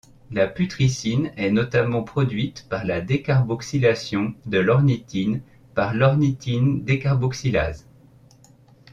La putrescine est notamment produite par la décarboxylation de l'ornithine par l'ornithine décarboxylase.